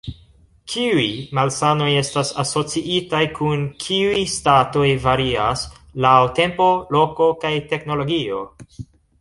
Kiuj malsanoj estas asociitaj kun kiuj statoj varias laŭ tempo, loko kaj teknologio.